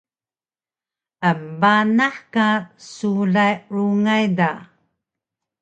embanah ka sulay rungay da